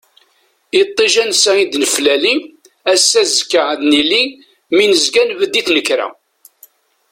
Iṭij ansa i d-neflali, ass-a azekka ad nili, mi nezga nbedd i tnekra.